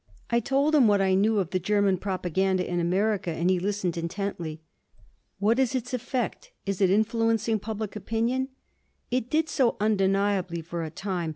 I told him what I knew of the German propaganda in America, and he listened intently. "What is its effect? Is it influencing public opinion?" "It did so undeniably for a time.